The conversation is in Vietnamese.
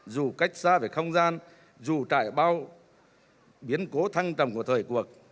dù cách xa về không gian dù trải bao biến cố thăng tầm của thời cuộc